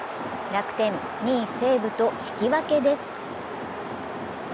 楽天、２位・西武と引き分けです。